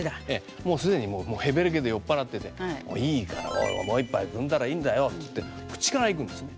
もう既にもうへべれけで酔っ払ってて「いいからおいもう一杯くんだらいいんだよ」って口からいくんですね。